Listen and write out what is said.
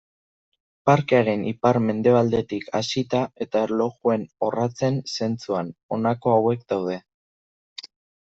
Parkearen ipar-mendebaldetik hasita eta erlojuen orratzen zentzuan, honako hauek daude.